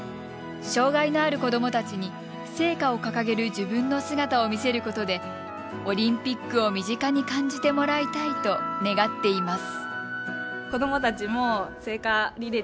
障害のある子どもたちに聖火を掲げる自分の姿を見せることでオリンピックを身近に感じてもらいたいと願っています。